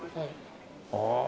ああ。